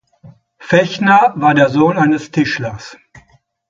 Fechner war der Sohn eines Tischlers.